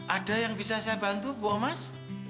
ada yang bisa saya bantu bu omas